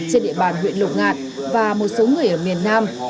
trên địa bàn huyện lục ngạn và một số người ở miền nam